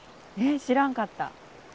知らんかった